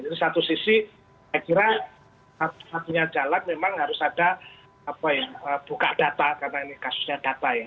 jadi satu sisi saya kira satunya jalan memang harus ada buka data karena ini kasusnya data ya